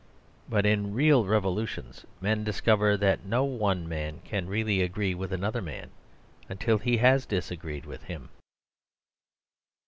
But in real revolutions men discover that no one man can really agree with another man until he has disagreed with him.